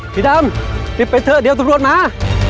พี่ดำพี่เป็นเธอเดี๋ยวสำรวจมา